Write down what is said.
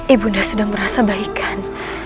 ibu nda sudah merasa baikan